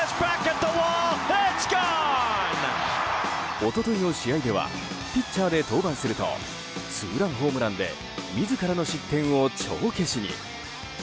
一昨日の試合ではピッチャーで登板するとツーランホームランで自らの失点を帳消しに。